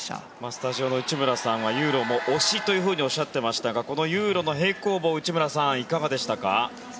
スタジオの内村さんはユーロも推しとおっしゃっていましたがこのユーロの平行棒内村さん、いかがでしたか？